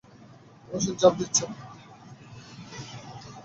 অবশেষে ঝাঁপ দিচ্ছেন?